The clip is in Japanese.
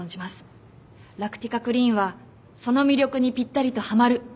ラクティカクリーンはその魅力にぴったりとはまる商品です。